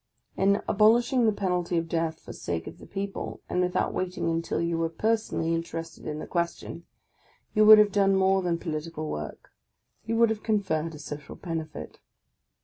In abolishing the penalty of death for sake of the people, and without waiting until you were personally in terested in the question, you would have done more than a political work, — you would have conferred a social benefit.